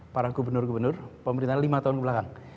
para gubernur gubernur pemerintah lima tahun kebelakang